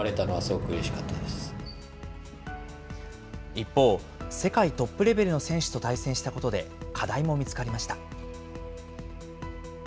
一方、世界トップレベルの選手と対戦したことで、課題も見つかりました。